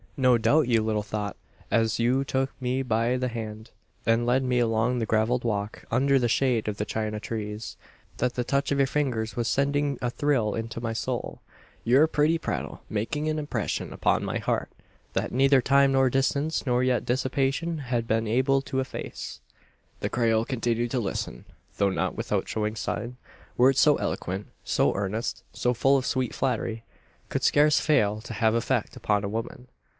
"No doubt you little thought, as you took me by the hand, and led me along the gravelled walk, under the shade of the China trees, that the touch of your fingers was sending a thrill into my soul; your pretty prattle making an impression upon my heart, that neither time, nor distance, nor yet dissipation, has been able to efface." The Creole continued to listen, though not without showing sign. Words so eloquent, so earnest, so full of sweet flattery, could scarce fail to have effect upon a woman.